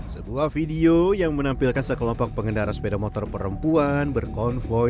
sebuah video yang menampilkan sekelompok pengendara sepeda motor perempuan berkonvoy